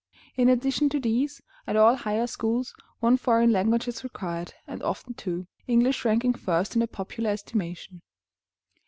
In addition to these, at all higher schools, one foreign language is required, and often two, English ranking first in the popular estimation.